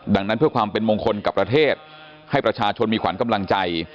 ดังนั้นเพื่อความเป็นมงคลกับประเทศให้ประชาชนมีขวัญกำลังใจ